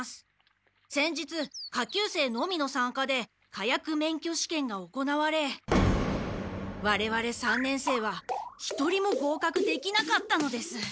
先日下級生のみの参加で火薬免許試験が行われわれわれ三年生は一人も合格できなかったのです。